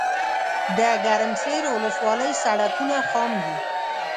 دګرمسیر ولسوالۍ سړکونه خام دي